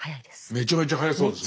めちゃめちゃ速そうですね。